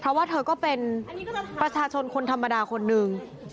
เพราะว่าเธอก็เป็นประชาชนคนธรรมดาคนนึง